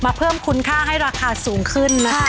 เพิ่มคุณค่าให้ราคาสูงขึ้นนะคะ